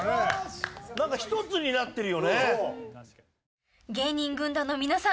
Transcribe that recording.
なんか一つになってるよね。